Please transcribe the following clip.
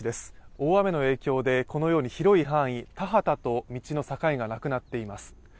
大雨の影響でこのように広い範囲、田畑と道の境がなくなっています。